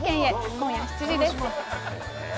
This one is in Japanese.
今夜７時です。